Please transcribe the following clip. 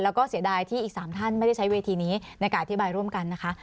แล้วก็เสียดายที่อีก๓ท่านไม่ได้ใช้เวทีนี้ในการอธิบายร่วมกันนะคะ